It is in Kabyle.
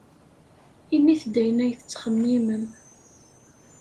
Init-d ayen ay tettxemmimem.